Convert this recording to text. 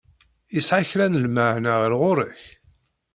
Yesɛa kra n lmeɛna ɣer ɣur-k?